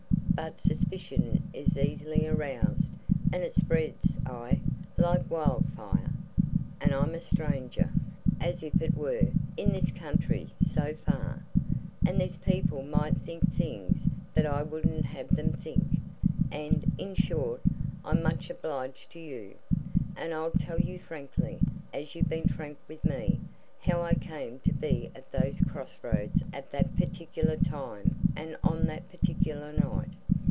But suspicion is easily aroused, and it spreads aye, like wildfire! And I'm a stranger, as it were, in this country, so far, and there's people might think things that I wouldn't have them think, and in short, I'm much obliged to you. And I'll tell you frankly, as you've been frank with me, how I came to be at those cross roads at that particular time and on that particular night.